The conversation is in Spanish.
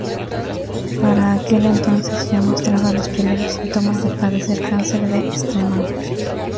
Para aquel entonces, ya mostraba los primeros síntomas de padecer cáncer de estómago.